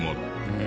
へえ。